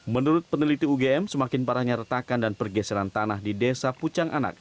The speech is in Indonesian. menurut peneliti ugm semakin parahnya retakan dan pergeseran tanah di desa pucang anak